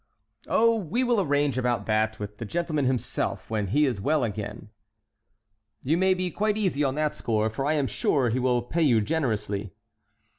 "Oh, we will arrange about that with the gentleman himself when he is well again." "You may be quite easy on that score, for I am sure he will pay you generously."